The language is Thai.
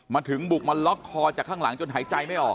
มาถึงบุกมาล็อกคอจากข้างหลังจนหายใจไม่ออก